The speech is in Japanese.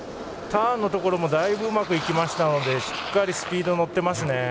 ターンのところもだいぶうまくいきましたのでしっかりスピードに乗ってますね。